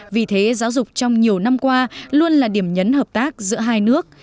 vì thế giáo dục trong nhiều năm qua luôn là điểm nhấn hợp tác giữa hai nước